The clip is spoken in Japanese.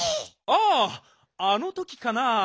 あああのときかな？